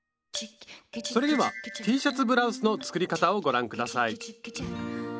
それではＴシャツブラウスの作り方をご覧ください。